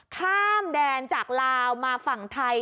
ข้ามแดนจากลาวมาฝั่งไทย